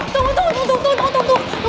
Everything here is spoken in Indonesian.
tunggu tunggu tunggu